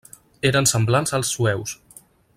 Eren semblants als sueus.